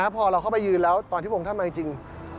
พอเราเข้าไปยืนแล้วตอนที่ผมทำอันจริง